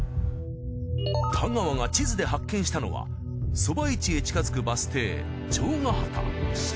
太川が地図で発見したのはそば一へ近づくバス停尉ヶ畑。